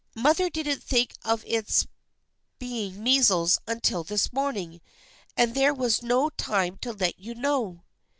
Mother didn't think of its be ing measles until this morning, and there was no time to let you know."